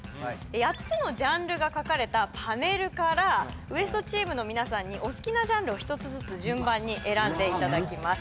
８つのジャンルが書かれたパネルからＷＥＳＴチームの皆さんにお好きなジャンルを１つずつ順番に選んでいただきます